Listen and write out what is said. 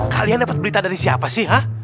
kalian dapat berita dari siapa sih ya